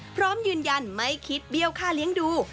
พร้อมยืนยันไม่คิดเบี้ยวค่าเลี้ยงดู